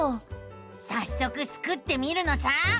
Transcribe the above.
さっそくスクってみるのさ！